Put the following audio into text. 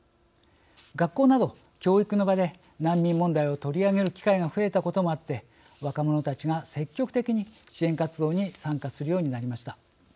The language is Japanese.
学校など教育の場で難民問題を取り上げる機会が増えたこともあって若者たちが積極的に支援活動に参加するようになりました。